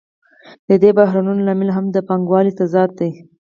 د دې بحرانونو لامل هم د پانګوالۍ تضاد دی